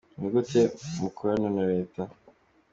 Ni gute mukorana na Leta ?.